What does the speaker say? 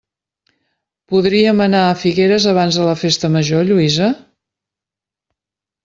Podríem anar a Figueres abans de la festa major, Lluïsa?